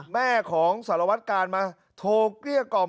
แม่ของสารวัตกาลมาโทรเกลี้ยกล่อม